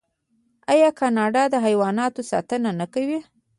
آیا کاناډا د حیواناتو ساتنه نه کوي؟